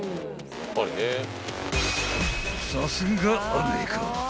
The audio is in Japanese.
［さすがアメリカ］